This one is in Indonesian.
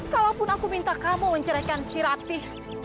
kalaupun aku minta kamu menceraikan si rati